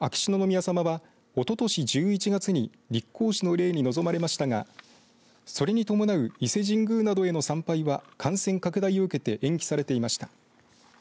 秋篠宮さまは、おととし１１月に立皇嗣の礼に臨まれましたがそれに伴う伊勢神宮などへの参拝は感染拡大を受けて延期されていました。